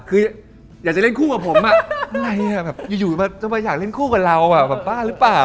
คืออยากจะเล่นคู่กับผมอะไรอ่ะแบบอยู่จะมาอยากเล่นคู่กับเราแบบบ้าหรือเปล่า